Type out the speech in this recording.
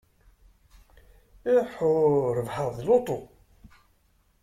Iḥḥu! Rebḥeɣ deg luṭu.